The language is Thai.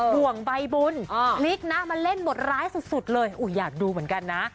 ห่วงใบบุญพลิกนะมาเล่นบทร้ายสุดเลยอยากดูเหมือนกันนะ